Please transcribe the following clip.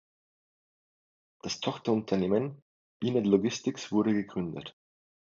Das Tochterunternehmen inet-logistics wurde gegründet.